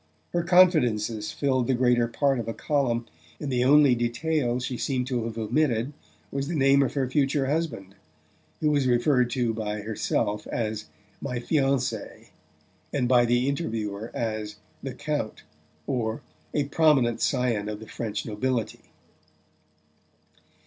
Her confidences filled the greater part of a column, and the only detail she seemed to have omitted was the name of her future husband, who was referred to by herself as "my fiancé" and by the interviewer as "the Count" or "a prominent scion of the French nobility."